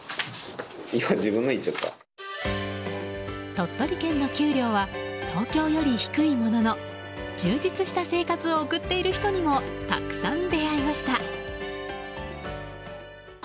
鳥取県の給料は東京より低いものの充実した生活を送ってい人にもたくさん出会いました。